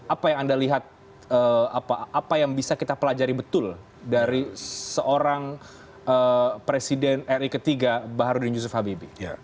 apa yang anda lihat apa yang bisa kita pelajari betul dari seorang presiden ri ketiga baharudin yusuf habibie